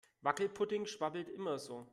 Wackelpudding schwabbelt immer so.